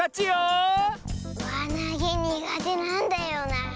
わなげにがてなんだよなあ。